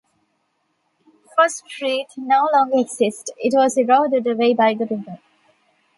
First Street no longer exists; it was eroded away by the river.